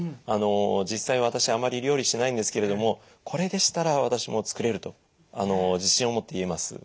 あの実際私あまり料理しないんですけれどもこれでしたら私も作れると自信を持って言えます。